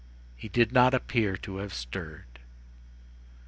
He did not appear to have stirred.